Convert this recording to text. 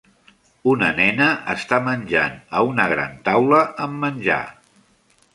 Una nena està menjant a una gran taula amb menjar.